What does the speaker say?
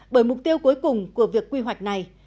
bởi mục tiêu cuối cùng của việc quy hoạch này